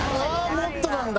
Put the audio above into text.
もっとなんだ